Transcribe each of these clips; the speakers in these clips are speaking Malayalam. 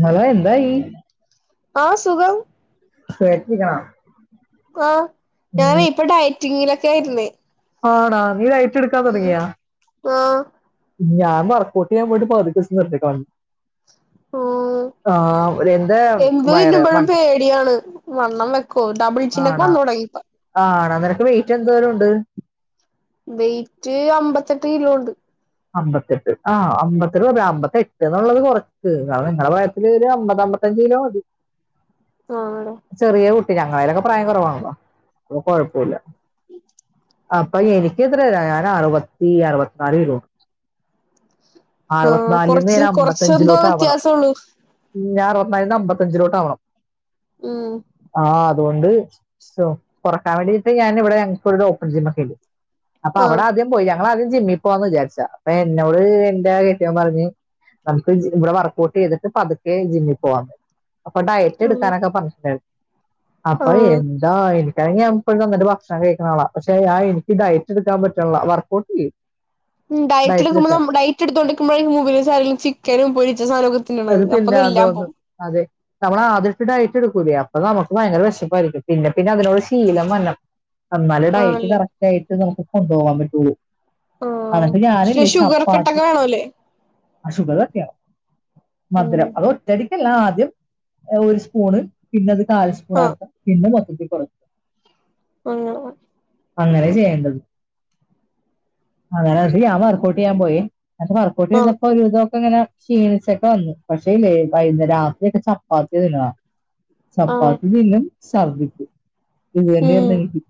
മോളെ എന്താായി ആ സുഖം പേടിപ്പിക്കണം ആ ഞാൻ ഇവിടെ ഡയറ്റിങ്ങിലൊക്കെ ആയിരുന്ന് ആണോ നീ ഡയറ്റെടുക്കാൻ തൊ ടങ്ങിയോ ആ ഞാൻ വർക്ഔട്ട് ചെയ്യാൻ പോയിട്ടെ പകുതിക്കു വച്ചെ നിർത്തി കളഞ്ഞു ഉ എന്ത് വയറ് വൺ തിന്നുമ്പഴും പേടിയാണ് വണ്ണം വെക്കോ ഡബിൾ ചിന്നക്ക ആണാ വന്ന് തുടങ്ങിപ്പ ആണാ നിനക്ക് വെയിറ്റ് എന്തോരം ഉണ്ട് വെയിറ്റെ അമ്പത്തെട്ട് കിലോ ഉണ്ട് അമ്പത്തെട്ട് ആ് അമ്പത്തെട്ട് പറ അമ്പത്തെട്ട് ആഅമ്പത്തേട്ടെന്ന് പറഞ്ഞാ അമ്പത്തെട്ടെ ന്നുള്ളത് കൊറയ്ക്കെ കാരണം നിങ്ങടെ പ്രായത്തിലെ ഒരു അമ്പത് അഞ്ച് കിലോ മതി ആണോ ഞങ്ങളേലുമൊക്കെ പ്രായം കൊ റവാണല്ലോ അപ്പ കൊഴപ്പില്ല അപ്പ എനിക്ക് എത്രയാലും അറുപത്തി ആറു പത്തിനാല് കിലോ ആഹ് അറുപത്തിനാലീന്നെ കൊറച്ച് നേരെ കൊറച്ചെന്തോ അമ്പത്തിഞ്ചിലോട്ടാവണം വ്യത്യാസള്ളൂ [unintelligible] ഉം അണ്ട് കൊറക്കാൻ വേണ്ടിട്ട് ഞാനി വിടെ ഞങ്ങക്കൊരു ഓപ്പൺ ജിം ഒക്കെയുണ്ടെ അപ്പൊ ആഹ് അവിടാദ്യം പോയി ഞങ്ങളാദ്യം ജിമ്മി പോവാന്ന് വിചാരിച്ചു അപ്പൊ എന്നോട് എന്റെ കെട്ട്യോൻ പറഞ്ഞു നമുക്ക് ഇവിടെ വർക്ക്ഔട്ട് ചെയ്തിട്ട് പതുക്കെ ജിമ്മി പോവാന്നെ അപ്പൊ ഡയറ്റ് ഉം എടുക്കാനൊക്കെ ഫംഗഷൻ അപ്പ ആഹ് എന്താ എ കഴിഞ്ഞു വന്നിട്ട് എപ്പഴും ഭക്ഷണം കഴിക്കുന്നാളാ പക്ഷെ ആ എനിക്ക് ഡയറ്ററ്റ് എടുക്കാൻ പറ്റില്ല വർക്ക്ഔട്ട് ചെയ്യും ഉ ഡയറ്റിലു ഡയറ്റ് നമ്മളെ എടുക്കാൻ ഡയറ്റെടുത്തു കൊടുക്കുമ്പഴും [unintelligible] ചിക്കനും പൊരിച്ച സാധനൊക്കെ എടുത്തില്ല അതോന്നും അതെ നമ്മളാദ്യാട്ടെ ഡയറ്റ് എടുക്കുവലേ അപ്പൊ നമുക്ക് ഭയങ്കര വെ ശപ്പായിരിക്കും പിന്നെ പിന്നെ അതിനോട് ശീലം വന്ന് എന്നാലെ ഡയറ്റ് ആണല്ലേ കറക്റ്റ് ആയിട്ട് നമുക്ക് കൊണ്ടുപോകാൻ പറ്റുള്ളൂ ആഹ് അതോണ്ടെ പിന്നെ ഞാനില്ലേ ഷുഗർ ചപ്പാത്തി കട്ടൊക്കെ വേണോല്ലേ ആരല്ലേ ആ ഷുഗറൊ ക്കെയാ ഉം മധുരം അതൊറ്റടിക്കല്ല ആദ്യം ഒരു സ്പൂണെ പിന്നത് താഴസ് പുണ ആഹ് പിന്ന മദ്തിപ്പെ [unintelligible] ഉം അങ്ങനയ ചെയ്യേണ്ടത് അങ്ങനെ ഞാൻ വർക്ഔട്ട് ചെയ്യാൻ പോയി എന്ന വർക്കഔട്ട്‌ ആഹ് ചെയ്തപ്പോ ഒരു ഇതോക്കെ ഇങ്ങനെ ക്ഷീണിച്ച് ചെക്ക വന്നു പക്ഷേ ഇല്ലേ വൈകുന്നേര രാത്രി ഒക്കെ ചപ്പാത്തി തിന്നണം ആഹ് ചപ്പാത്തി തിന്നും സർധിക്കും ഇത് ഉം തന്നെയാരുന്നു എനിക്കും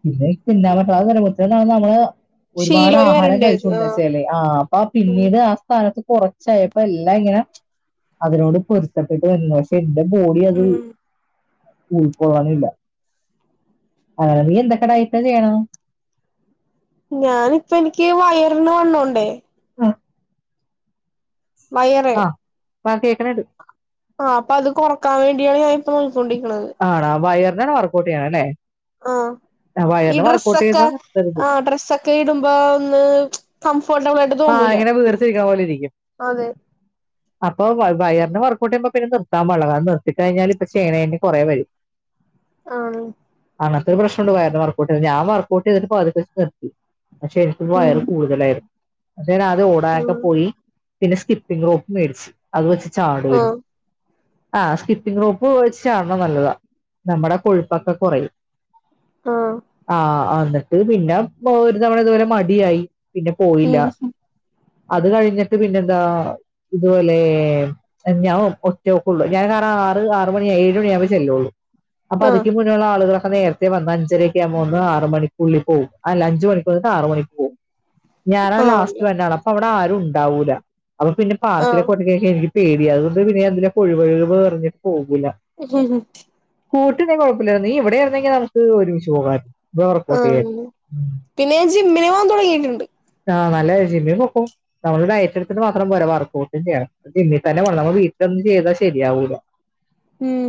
പിന്ന ചിന്താൻ പറ്റന്നെ കു നമ്മള് [unintelligible] ഒരുപാട് ഷീലോയി ആഹാരം വരണ്ട് കഴിച്ചൂന്നു ആഹ് വച്ചാലെ ആ അപ്പ ഉം പിന്നീട് ആ സ്ഥാനത്ത് കുറച്ചായപ്പോ അപ്പ എല്ലാം ഇങ്ങനെ അതിനോട് പൊരുത്തപ്പെട്ട് വരുന്നു പക്ഷെ എന്റെ ബോഡി അത് ഉം കൊഴാനില്ല [unintelligible] അന നീ എന്തൊക്കെ ഡയറ്റു ചെയ്യണു ഞാനിപ്പ എനിക്ക് വയറിന് വണ്ണോണ്ടേ ആ വയറെ ബാക്കി എത്രെടു ആ അപ്പം അത് കൊറക്കാൻ വേണ്ടിയാണ് ഞാൻ ഇപ്പ നോക്കിക്കൊണ്ടിരിക്കണത് ആണോ വയറിന വർക്കഔട്ട് ചെയ്യണ അല്ലേ ആ ആ, ഈ വയറിന് വർക്കൗട്ട് ഡ്രസ്സൊക്കെ ചെയ്താൽ നിർത്തരുത് ആ ഡ്രസ്സൊക്കെ ഇടുമ്പോ ഒന്ന് കംഫോർട്ടബിൾ ആയിട്ട് ആഹ തോന്നൂല അങ്ങനെ വീർത്ത് ഇരിക്കാണപോലെ ഇരിക്കും അതെ അപ്പൊ വയറിന്റെ വർക്കൗട്ട് ചെയ്യുമ്പോൾന്നെ നിർത്താൻ വള്ള കത് നിർത്തിട്ട കഴിഞ്ഞാൽ ഇപ്പ ചേനേ കുറെ വരും ആഹ അങ്ങനത്തെ ഒരു പ്രശ്നംണ്ട പോയിരുന്നു വർക്കൗട്ട് ഞാൻ വർക്കൗട്ട്തിട്ട് പെച്ച് നിത്തി ശരിക്കും ഉം വയറു കൂടുതലായിരുന്നു ഞാത ഓടാനൊക്കെ ഉം പോയി പിന്നെ സ്കിപ്പിംഗ് റോപ്പ് മേടച്ച് അത് വെച്ച ചാടാരുന്ന് ആഹ് ആഹ സ്കിപ്പിങ് റൂപ്പ് വിച്ചാണല്ലോ നല്ലതാ നമ്മുടെ കൊഴുപ്പൊക്കെ കുറയും ആഹ് ആഹ എന്നട്ട് പിന്നെ ഒരു തവണ ഇതുപോലെ മടിയായി പിന്നെ പോയില്ല ഉം അത് കഴിഞ്ഞിട്ട് പിന്നെന്താ ഇതുപോലെ ഞാ റ്റൊക്കെ ഉള്ളൂ ഞാൻ കാരണം ആറ് ആറ് മണി ഏഴ് മണി ആവുമ്പോ ചെല്ലുള്ളൂ അപ്പൊ ആഹ് അതക്ക് മുന്നുള്ള ആളുകളെ നേരത്തെ വന്ന അഞ്ചരൊക്ക ആകുമ്പോ ഒന്ന് ആറ് മണിക്കുള്ളി പോകും അഞ്ച് മണി വന്നിട്ട് ആറ് മണിക്ക് പോകവും ഞാന ലാസ് ആഹ് അപ്പൊ അവിടെ ആരും ഉണ്ടാവൂല. അപ്പൊ പിന്നെ പാർക്കിലെ കൊട്ടൊക്കെ എനിക്ക് പേടി അതുകൊണ്ട് പിന്നെ അതിന്റെ കൊഴപഴുക് പറഞ്ഞ് പോകും. [unintelligible] കൂട്ടി കുഴപ്പില്ലരുന്നു നീ ഇവിടെ ആരുന്നെങ്കി നമുക്ക് ഒരുമിച്ച് പോകായി ആ പിന്നെഞ ജിമ്മിന് പോവാൻ തുടങ്ങിട്ടുണ്ട്. ആഹ് നല്ല ജിമ്മിൽ പോക്കോ നമ്മള് ഡയറ്റ് എടുത്തിട്ട് മാത്രം പോ വർക്കഔട്ടും ചെയ്യണം. ജിമ്മിൽ തന്നെ നമ്മ വീട്ടിൽ ചെയ്ത ശ രിയാവുല്ല. ഉം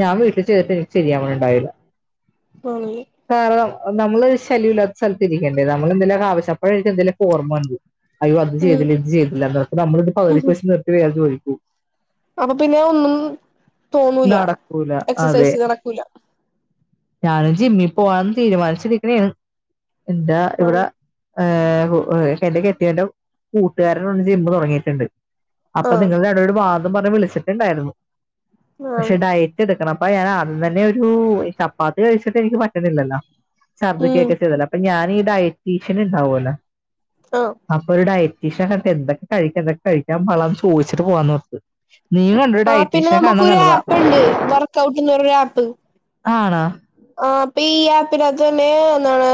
ഞാൻ വീട്ടിൽ ചേട്ട എനിക്ക് ശരിയാ ഉണ്ടാവില്ല. ആണല്ലേ കാരണം നമ്മള് ശല്യമല്ലാത്ത സ്ഥലത്തി ഇരിക്കേണ്ടേ നമ്മളന്തെലും ആശപ്പഴായിരിക്ക എന്തെലും ഓർമ ഉണ്ടും. അയ്യോ അത് ഉം ചെയ്തില്ല ഇത് ചെയ്തില്ല എന്ന നമ്മള ഒരു പകതിക്ക്ച്ച് നിർത്തി വയയാ ചോലും അപ്പൊ പിന്നെ ഒന്നും തോന്നൂല. നടക്കൂല എക്സസൈസ് നടക്കൂല. ഞാന് ജിമ്മി പോവാന്ന് തീരുമാനിച്ചിരിക്കണാണ്. എന്താ ആ ഇവിട എന്റെ കെട്ടിയെൻ്റെ കൂട്ടുകാരൻ ഒരു ജിമ്മ് തുടങ്ങിയിട്ടുണ്ട്. അപ്പൊ ആ നിങ്ങളുടെ അവിടെ ഒരു വാദം പറഞ്ഞ് വിളിച്ചിട്ടുണ്ടായിരുന്നു. ആ പക്ഷെ ഡയറ്റ് എടുക്കണം. അപ്പൊ ഞാൻ അദ്യം തന്നെ ഒരു ചപ്പാത്തി കഴിച്ചിട്ട് എനിക്ക് പറ്റണില്ലല്ലോ. ഉം ശർദിക്കൊക്കെ ചെയ്തല്ല അപ്പൊ ഞാനി ഈ ഡയറ്റീഷണ ഇണ്ടാവുല്ലോ ആ അപ്പൊ ഒരു ഡയ [unintelligible] എന്തൊക്കെ കഴിക്ക എതൊക്കെ കഴിക്ക പാടില്ലാന്ന് ചോദിച്ചിട്ട് പോവാന്നോർത്ത്. നീ കണ്ടു ആ പിന്നെ ഡയറ്റീഷന കാണാൻ നമുക്കൊരു നല്ലതാ. ആപ്പ്ണ്ട് വർക്ക് ഔട്ട് എന്ന് പറഞ്ഞൊരു ആപ്പ് ആണ. ആ അപ്പൊ ഈ ആപ്പിനകത്ത് തന്നെ എന്താണ്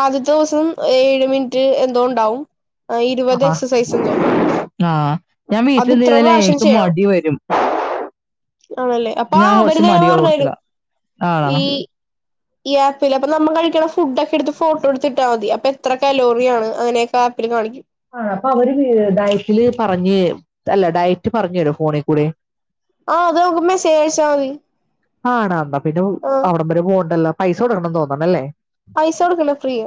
ആദ്യത്തെ ദിവസം ഏഴ് മിനിറ്റ് എന്തോ ഉണ്ടാ. [unintelligible] ആ ആഹ് ഞാൻ അത് ഇത്ര വീട്ടിൽന്തതല്ലേ പ്രാവശ്യം എനിക്ക് ചെയ്യണം മടി വരും. ആണല്ലേ അപ്പൊ ഞാൻ അവര് കുറച്ച് തന്നെ പറഞ്ഞു മടിള്ളകൂട്ടത്തില. തരും ആണാ ഈ ഈ ആപ്പിൽ അപ്പൊ നമ്മൾ കഴിക്കണ ഫുഡ് ഒക്കെ എടുത്ത് ഫോട്ടോ എടുത്തിട്ടാ മതി. അപ്പൊ എത്ര കലോറി ആണ് അങ്ങനെയൊക്കെ [unintelligible] ആ അപ്പൊ അവര് ഡയറ്റില് പറഞ്ഞ് അല്ല ഡയറ്റ് പറഞ്ഞരോ ഫോണികൂടെ. ആ അത് നമുക്ക് മെസ്സെജ് അയച്ചാതി. ആണാ എന്നാ പിന്നെ അവിട വരെ പോകണ്ടല്ലോ പൈസ കൊടുക്കണംന്ന് തോന്നണല്ലേ. പൈസ കൊടുക്കല്ല ഫ്രീയ.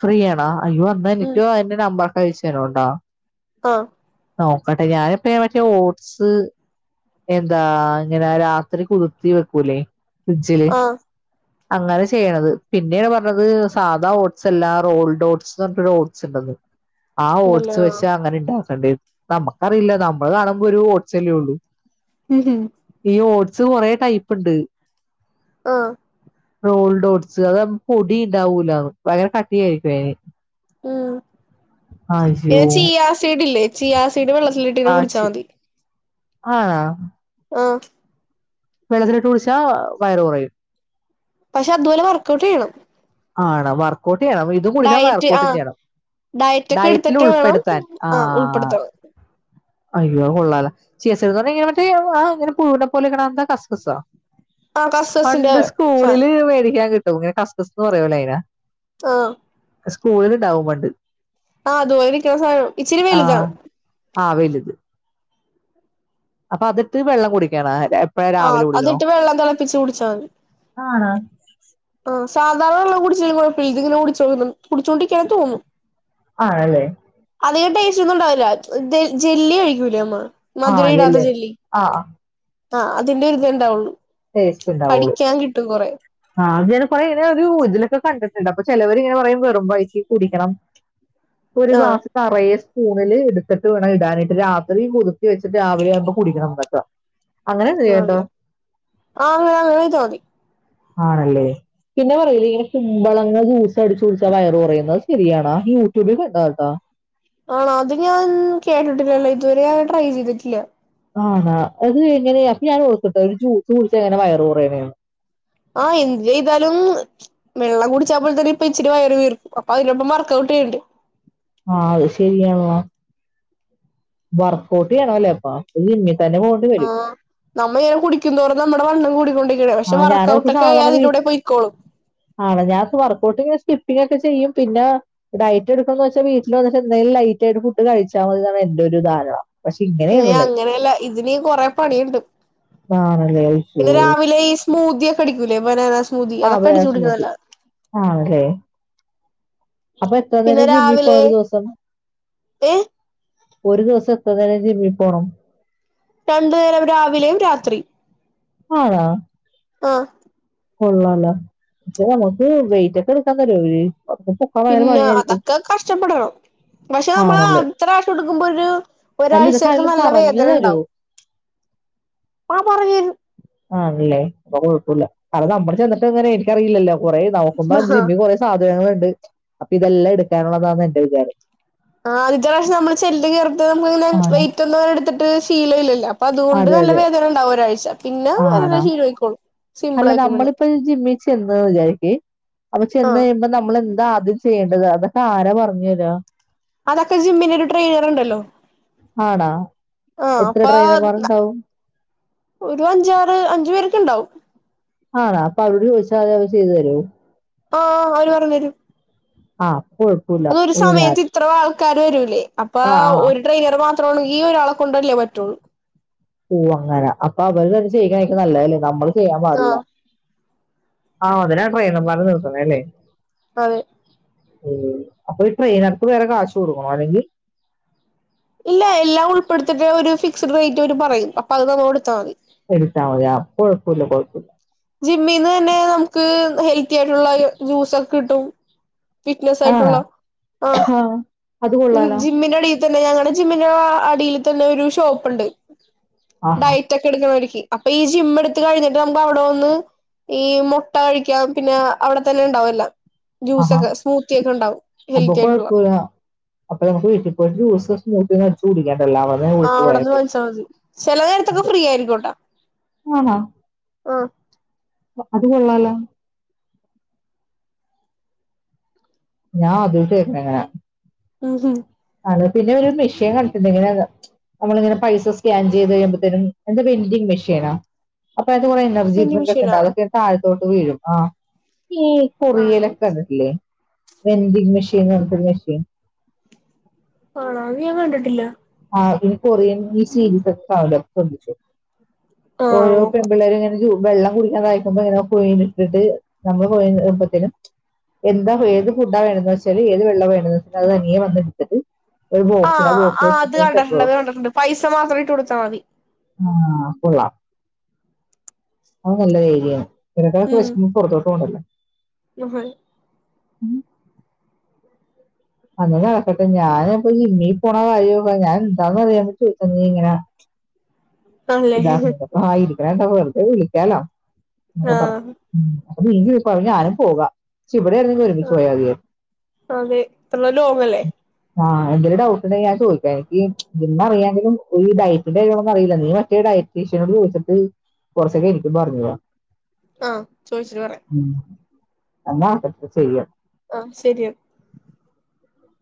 ഫ്രീ ആണാ അയ്യോ വന്ന എനിക്കോ അതിന്റെ നമ്പറൊക്കെ അയച്ച തനോണ്ടോ. ആഹ് നോക്കട്ടെ ഞാനിപ്പ മറ്റേ ഓട്സ് എന്താ ഇങ്ങനെ രാത്രി കുതി വക്കൂല ഫ്രിഡ്ജില്. ആഹ് അങ്ങനെ ചെയ്യണത് പിന്നെയാണ് പറഞ്ഞത് സാധാ ഓട്സ് അല്ല റോൾഡ് ഓട്ട്സ് എന്ന് പറഞ്ഞിട്ടൊരു ഓട്സ് ഉണ്ടന്ന്. ആ ഓട്ട്സ് ഉണ്ടല്ലോ വെച്ച അങ്ങനെ ഇണ്ടാക്കണ്ടേ നമുക്കറിയില്ല നമ്മൾ കാണുമ്പോ ഒരു ഓട്ട്സ്ല്ലേ ഉള്ളു. ഉഹു. ട്സ് കൊറെ ടൈപ്പുണ്ട്. ആഹ് റോൾടൊട്സ് അത് പൊടി ഉണ്ടാവൂല. ഭയങ്കര കട്ടിയ ആായിരിക്കും. അന് ഉം അയ്യോ ഏച്ചീ ആസീഡില്ലേ. ചിയ ആ സീഡ് വെള്ളത്തിലിട്ടീ കുടിച്ചാ മതി. ആണ ആഹ് വെള്ളത്തിലിട്ട് കുടിച്ചാ വയറ് കൊറയും. പക്ഷെ അതുപോലെ വർക്കഔട്ട് ചെയ്യണം. ആണ് വർക്ക ഔട്ട് ചെയ്യണം. ഇതും കൂടിക്കണം. ഡയറ്റ് വർക്ക് ഔട്ട് ആഹ് ചെയ്യണം. ഡയറ്റ് ഒക്കെ ഡയറ്റില് എടുത്തിട്ട് വേണം ഉൾപ്പെടുത്താൻ ആഹ് അയ്യോ കൊള്ള ചേ പറഞ്ഞ ഇങ്ങനെ മറ്റേ ആ ഇങ്ങനെ പുഴവിെ പോലെക്കണ എന്താ കസ കസാ ആഹ് കസ്കസിന്റെ പണ്ട് സാനം സ്കൂളില് മേടിക്കാൻ കിട്ടും ഇങ്ങനെ കസ്റ്റസ്ന്ന് പറയലേ അയിന ആഹ സ്കൂളിണ്ടടൗമണ്ട് ആഹ് അ ദോരിക്ക സാധനം ഇച്ചിരി വേല ഇതാണ് ആ വലു അപ്പൊ അതിട്ട് വെള്ളം കുടിക്കണാ എപ്പഴാ രാവിലെ ആഹ് കുടിക്കണോ അതിട്ട് വെള്ളം തിളപ്പിച്ച് കുടിച്ചാ ആണ ആ സാധാരണള്ള കുടിച്ചിൽഡിങ്ങിനെ കു കുടിച്ചോൊണ്ടരിക്കാൻ തോന്നുന്നു ആണല്ലേ ൊന്നുംണ്ടാവില്ല ജെല്ലി അഴിക്കൂലേ അമ്മ ആ മധുര ഇടാത്ത അതല്ലേ ജെല്ലി ആ ആഹ് അതിന്റെ ഇതെണ്ടാവള്ളു േസ്റ്റ് ഉണ്ടാവുള്ളൂ ആ അ അപ്പ ഇങ്ങനെ ഒരു ൂതിലൊക്കെ കണ്ടിട്ടുണ്ട് അപ്പൊ ചിലവർ ഇങ്ങനെ പറയ വെറുമ്പോഴ കുടിക്കണം ഒരു ആഹ് ഗ്ലാസ് കറേസ് സ്ൂണിൽ എടുത്തിട്ട് വേണം ഇടാനിട്ട് രാത്രി പുതുക്കി വെച്ചിട്ട് രാവിലെ ആവുമ്പോ കുടിക്കണംന്നക്ക അങ്ങനെ എന്ത് ചെയ്യണ്ടോ ആ വത വ തോതി ആണല്ലേ പിന്നെ പറയല ഇങ്ങനെ ചുമമ്പളങ്ങങ് ജ്യൂസ് അടിച്ച് കുടിച്ച വയറ് കുറയുന്നത് ശരിയാണാ യൂട്യൂബിൽ കണ്ട കേട്ടോ ആണോ അത് ഞാൻ കേട്ടിട്ടില്ലല്ലോ ഇതുവരെ ഞൻ ട്രൈ ചെയ്തിട്ടില്ല ആണ അത് എങ്ങനെയ അപ്പൊ ഞാൻ കൊടുത്തട്ട ഒരു ജൂസ് കുിച്ച അങ്ങനെ വയറ് കുറയണാണ് ആഹ എന്ത് ചെയ്താലും വെള്ളം കുടിച്ച പോലെ തന്നെ ഇപ്പ ഇച്ചിരി വയറ് വീർക്കും അപ്പൊ അതിനൊപ്പം വർക്കഔട്ട് അണ്ട് ആഹ അത് ശരിയ വർക്കോട്ട്ിയണല്ലേപ്പ ആ് നമ്മള ഇങ്ങനെ കുടിക്കുംന്തോറ നമ്മുടെ വണ് ആ ഞാനടുക്ക് സാധാരണ വീ കൂടെ പൊയ്ക്കോളും ആട ഞത്ത് പറക്ക ബട്ടെ സ്കിപ്പി്ക്കെ ചെയ്യും പിന്നെ ഡൈറ്റ് എടുക്കന്ന് വച്ചാ വീട്ടിൽ വ എന്തെലും ലൈറ്റ് ആട്ട്ുഡ് കഴിച്ചാ എന്റെറെ ഒരു ധാരണമാണ് ഏ അങ്ങനെയല്ല ഇതിന് കൊറെ പണിയുണ്ട് ആണല്ലേ അഴച്ചോ പിന്നെ രാവിലെ ഈ സ്മൂതി ഒക്കെ അടിക്കൂലേ ബനാന സ്മൂതി അതൊക്കെ അടിച്ചു വേറെ കുടും സ്മൂത്തി നല്ല ആണല്ലേ അപ്പൊ എത്ര നേരം ചെയി ഇപ്പൊ ഒരു ദിവസം ഏ ഒരു ദിവസം പ്രതാനതിി വി പോണം രണ്ടു നേരം രാവിലെയും രാത്രി ആണാ ആഹ് കൊള്ളാല്ല പക്ഷെ നമുക്ക് വെയിറ്റ് ഒക്കെ എടുക്കാൻ തരോ അവര് പിന്ന അതൊക്കെ കഷ്ടപ്പെടണം പക്ഷെ നമ്മള് ആണല്ലേ ആദ്യത്താപ്രാശം എടുക്കുമ്പോ ഒരു അല്ല ഇതൊക്കെ ഒരാഴ്ചക്കെ ആരെങ്കിലും നല്ല പറഞ്ഞു വേദന ഉണ്ടാവും [unintelligible] ആ പറയ അപ്പ കുഴപ്പമില്ല കാരണം നമ്മൾ ചെന്നിട്ട് അങ്ങനെ എനിക്കറിയില്ലല്ലോ കൊറെ നോക്കുമ്പോ ജിമ്മി കുറേ സാധനങ്ങളണ്ട് അപ്പൊ ഇതെല്ലാം എടുക്കാനുള്ളതാന്ന എന്റെ വിചാരം ആദ്യത്തെ പ്രാശം നമ്മള് ചെല്ല് കേറു നമക്ക് ഇങ്ങനെ ആണോ വെയിറ്റ് ഒന്നും എടുത്തിട്ട് ശീലല്ലല്ലോ അപ്പൊ അതുകൊണ്ട് അതെ നല്ല അതെ വേദന ഉണ്ടാവും ഒരാഴ്ച പിന്ന ആണോ ശീലായിക്കോളും അല്ല നമ്മളിപ്പൊ ജിമ്മിൽ ചെന്നൂന്ന് വിചാരിക്കെ അപ്പൊ ആ ചെന്ന് കഴിയുമ്പോ നമ്മൾ എന്താ ആദ്യം ചെയ്യേണ്ടത് അതൊക്കെ ആരാ പറഞ്ഞരുവാ അതൊക്കെ ജിമ്മിന് ഒരു ട്രെയിനറുണ്ടല്ലോ ആണാ എത്ര അപ്പൊ ട്രൈനമാരുണ്ടാവും ഒരു അഞ്ചാറ് അഞ്ചു പേരൊക്കെ ഉണ്ടാവും ആണ അപ്പൊ അവരോട് ചോദിച്ചാൽ അവരത് ചെയ്തു തരോ ഓഹ് അവര് പറഞ്ഞരും ആഹ് അതൊരു സമയത്ത് ഇത്രവാ ആൾക്കാര് വരൂല്ലേ അപ്പ ആ ആ ഒരു ട്രെയിനർ മാത്രൊണ് ഈ ഒരാളെ കൊണ്ടല്ലേ പറ്റുള്ളൂ ഓ അങ്ങനെ അപ്പൊ അവര് തന്ന ചെയ്യുകയുമായിരിം ക്ക നല്ലല്ലേ നമ്മള്ക്ക് ചെയ്യാൻ പാടില്ല ആഹ് ആഹ് അതിനാ ട്രൈനന്മാരെ നിർതണത് അല്ലേ അതെ അപ്പൊ ഈ ട്രെയിനർക്ക് വേറെ കാശ് കൊടുക്കണോ അല്ലെങ്കി ഇല്ല എല്ലാം ഉൾപ്പെടുത്തിട്ട് ഒരു ഫിക്സഡ് റേറ്റ് ഓര് പറയും അപ്പൊ അത് നമ്മളൊടുത്താ മതി എടുത്താൽ മതി ആ അപ്പ കൊഴപ്പമില്ല കൊഴപ്പമില്ല ജിമ്മീന്ന് തന്നെ നമുക്ക് ഹെൽത്തി ആയിട്ടുള്ള ജ്യൂസൊക്കെ കിട്ടും ഫിറ്റ്നസ് ആണോ ആയിട്ടുള്ള ആ അത് കൊള്ളാലോ ജിമ്മിന്റെ അടിയിൽ തന്നെ ഞങ്ങളുടെ ജിമ്മിന്റെ അടിയിൽ തന്നെ ഒരു ഷോപ്പ്ണ്ട് ആഹാ ഡയറ്റൊക്കെ എടുക്കണോരിക്ക് അപ്പ ഈ ജിമ്മ് എടുത്ത് കഴിഞ്ഞിട്ട് നമുക്ക് അവിടെ ഒന്ന് ഈ മുട്ട കഴിക്കാം പിന്നെ അവിടെ തന്നെ ഉണ്ടാവും എല്ലാം ആഹാ ജ്യൂസൊക്കെ സ്മൂത്തി ഒക്കെ ഉണ്ടാവും ഹെൽത്തി ആയിട്ടുള്ള അപ്പ ഞമുക്ക് വീട്ടി പോയിട്ട് ജ്യൂസ്‌ സ്മൂത്തി ഒക്കെ അടിച്ച് കുടിക്കാം ആഹ് അവിടെന്ന് വാങ്ങിച്ചാ മതി ചില നേരത്തൊക്കെ ഫ്രീ ആയിരിക്കും ട്ടാ ആഹ ആഹ് അത് കൊള്ളാല ഞാൻ ആദ്യായിട്ട് കേക്കണ ഇങ്ങന ഉഹും അത് പിന്നെ ഒരു മെഷീൻ കണ്ടിട്ടുണ്ട് എങ്ങന നമ്മളിങ്ങനെ പൈസ സ്കാൻ ചെയ്ത് കഴിയുമ്പോത്തേനും എന്തൊ വെൽഡിങ് മെഷീനോ ഇപ്പഴത്തെ കൊറേ എനർജി വെൻഡിങ് ഡ്രിങ്ക് ഒക്കെ ഇണ്ട് മെഷീനാ അതൊക്കെ താഴത്തോട്ട് വീഴും ആ ഈ ആണോ കൊറിയലൊക്കെണ്ടിട്ടില്ലേ വെന്തിങ് മെഷീൻ വെന്തിങ് മെഷീൻ ആണാ അത് ഞാൻ കണ്ടിട്ടില്ല ആ കൊറിയൻ ഈ സീരീസ് ഒക്ക കാണൂലൊ ആ ഓരോ നോക്കാം പെൺപിള്ളേരു വെള്ളം കുടിക്കാതെ കഴിക്കുമ്പോ എങ്ങനെ കുഴീലിട്ടിട്ട് നമ്മൾ പോവ്മ്പഴ്ത്തെനും എന്താ ഏത് ഫുഡാ വേണന്ന് വെച്ചാല് ഏത് വെള്ളം വേണന്ന് വെച്ചാല് അത് തനിയെ വന്നെടുത്തിട്ട് ഒരു ബോക്സിൽ ആ ബോക്സിലിറ്റിട്ട് ഇത് കണ്ടിട്ടുണ്ട്. അത് കണ്ടിട്ടുണ്ട്. പൈസ മാത്രം ഇട്ട് കൊടുത്താ മതി. ആ കൊള്ളാം. അത് നല്ല രീതിയാണ്. [unintelligible] വിശക്കുമ്പൊ ഉം പൊറത്തോട്ട് പോണ്ടല്ല. [unintelligible] ഉം അങ്ങനെ നടക്കട്ടെ. ഞാനിപ്പ ജിമ്മീ പോണ കാര്യ ഒക്കെ ഞാൻ എന്താന്ന് അറിയാൻ ചോയ്ച്ചതാ നീ ഇങ്ങനാ. [unintelligible] ആണല്ലേ ഇരിക്കണ കണ്ടപ്പോ വെറുതെ വിളിക്കാലോ. അപ്പ ആ പറഞ്ഞു ഉം അപ്പ നീ ഇരിക്കും ഞാനും പോകാ ച ഇവിടെയായിരുന്നെങ്കി ആ ഒരുമിച്ച് പോയാമതിയാന്ന് അതെ ലോങ്ങല്ലേ ആ എന്തെങ്കിലും ഡൗട്ട് ഉണ്ടെങ്കി ഞാൻ ചോദിക്കാം എനിക്ക് നിന്നെ അറിയാങ്കിലും ഈ ഡയറ്റിന്റെ കാര്യങ്ങളൊന്നും അറില്ല നീ മറ്റേ ഡ യറ്റീഷ്യനോട് ചോദിച്ചിട്ട് കുറച്ചൊക്കെ എനിക്കും പറഞ്ഞുതാ. ആ ചോദിച്ചിട്ട് പറയാം. എന്നാ അപ്പ ശരി ആ ശരി [unintelligible]